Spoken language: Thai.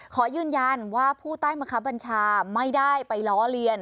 ขอยืนยันว่าผู้ใต้บังคับบัญชาไม่ได้ไปล้อเลียน